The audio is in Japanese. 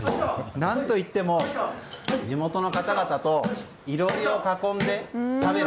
何といっても地元の方々といろりを囲んで食べる。